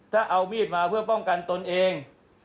ถ้าเอามีดมาเพื่อป้องกันตนเอง